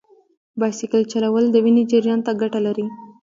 بایسکل چلول د وینې جریان ته ګټه لري.